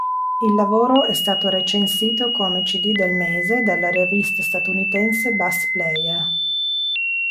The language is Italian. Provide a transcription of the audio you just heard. Il lavoro è stato recensito come "Cd del mese" dalla rivista statunitense "Bass Player".